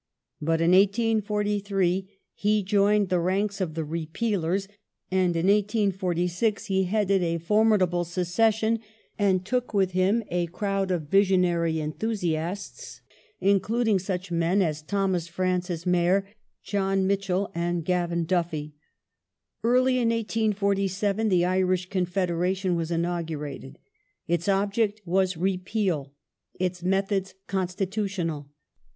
But in 1843 he joined the ranks of the Repealers, and in 1846 he headed a foraiidable secession and took with him a crowd of vision ary enthusiasts, including such men as Thomas Francis Meagher, John Mitchel, and Gavan Duffy. Early in 1847 the Iiish Con federation was inaugurated. Its object was Repeal ; its methods constitutional.